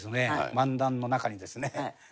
漫談の中にですね。